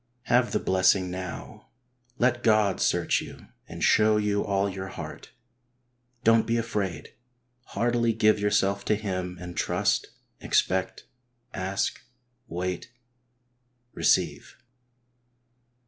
Have the blessing now. Let God search you and show you all your heart. Don't be afraid. Heartily give yourself to Him and trust, expect, ask, wait, receive.